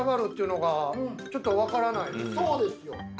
そうですよ。